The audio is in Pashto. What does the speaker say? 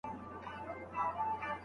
کمپيوټر د کوچنيانو سره مرسته کوي.